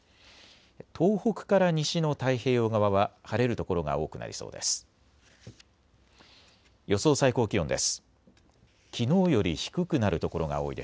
東北から西の太平洋側は晴れる所が多くなりそうです。